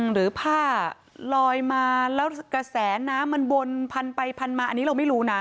หรือผ้าลอยมาแล้วกระแสน้ำมันวนพันไปพันมาอันนี้เราไม่รู้นะ